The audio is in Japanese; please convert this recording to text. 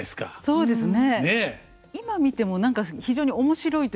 そうですね。